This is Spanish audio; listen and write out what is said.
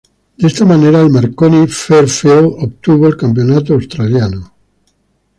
De esta manera el Marconi Fairfield obtuvo el campeonato australiano.